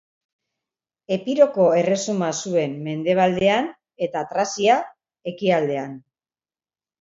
Epiroko Erresuma zuen mendebaldean eta Trazia ekialdean.